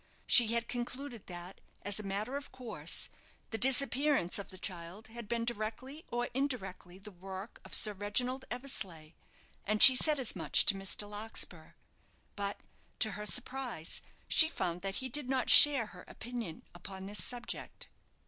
She had concluded that, as a matter of course, the disappearance of the child had been directly or indirectly the work of Sir Reginald Eversleigh; and she said as much to Mr. Larkspur. But, to her surprise, she found that he did not share her opinion upon this subject.